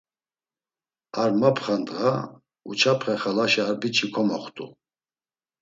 Ar mapxa ndğa, Uçapxe xalaşa ar biç̌i komoxt̆u.